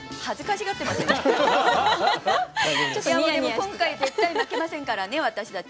今回絶対負けませんからね私たち。